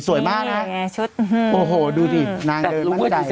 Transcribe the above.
สวยมากนะโอ้โหดูสินางเลยมันกระดายก็ได้